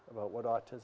apakah itu menurut anda